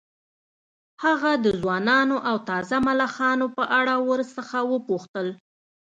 هغه د ځوانو او تازه ملخانو په اړه ورڅخه وپوښتل